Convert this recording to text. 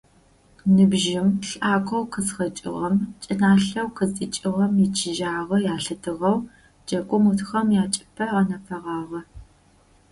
Ныбжьым , лӏакъоу къызхэкӏыгъэм, чӏыналъэу къыздикӏыгъэм ичыжьагъэ ялъытыгъэу джэгум ӏутхэм ячӏыпӏэ гъэнэфэгъагъэ.